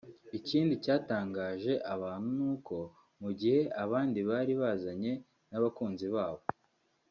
Ikindi cyatangaje abantu nuko mu gihe abandi bari bazanye n’abakunzi babo